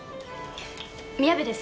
宮部です。